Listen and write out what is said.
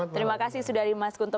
terima kasih sudari mas kunto